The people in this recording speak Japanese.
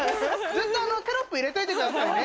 ずっとテロップ入れといてくださいね。